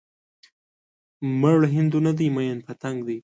مړ هندو نه دی ميئن پتنګ دی